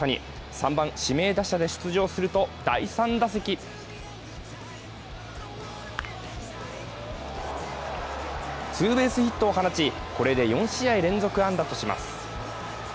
３番・指名打者で出場すると、第３打席ツーベースヒットを放ち、これで４試合連続安打とします。